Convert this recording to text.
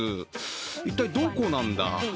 一体、どこなんだ？